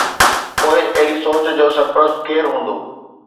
پوءِ اهڙي سوچ جو سرپرست ڪير هوندو؟